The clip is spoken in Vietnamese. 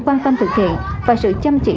khoan tâm thực hiện và sự chăm chỉ